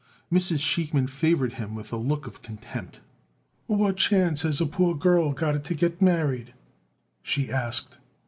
Mrs. Sheikman favored him with a look of contempt. "What chance has a poor girl got it to get married?" she asked.